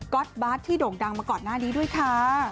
อตบาทที่โด่งดังมาก่อนหน้านี้ด้วยค่ะ